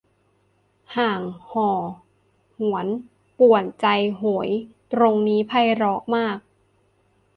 ห่างห่อหวนป่วนใจโหย ตรงนี้ไพเราะมาก